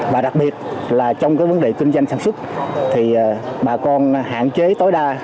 và đặc biệt là trong cái vấn đề kinh doanh sản xuất thì bà con hạn chế tối đa